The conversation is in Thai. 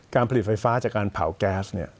การผลิตไฟฟ้ากับการผ่าแก๊ส